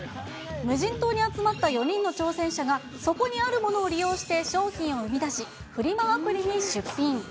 無人島に集まった４人の挑戦者が、そこにあるものを利用して商品を生み出し、フリマアプリに出品。